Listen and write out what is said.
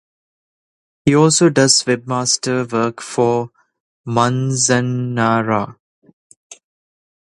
He also does webmaster work for Manzanera.